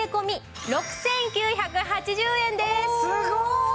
すごい！